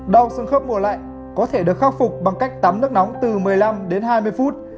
đau xương khớp mùa lạnh có thể được khắc phục bằng cách tắm nước nóng từ một mươi năm đến hai mươi phút